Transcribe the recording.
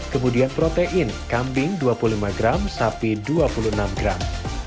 kemudian protein kambing dua puluh lima gram sapi dua puluh enam gram